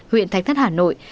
huyện thánh thất hà nội